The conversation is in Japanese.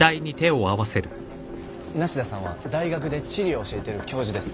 梨多さんは大学で地理を教えてる教授です。